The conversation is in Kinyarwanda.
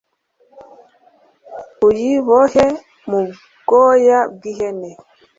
uyibohe mu bwoya bw ihene